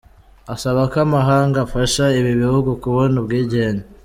Asaba ko amahanga afasha ibi bihugu kubona ubwigenge.